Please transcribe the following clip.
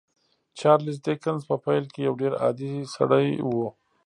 چارلیس ډیکنز په پیل کې یو ډېر عادي سړی و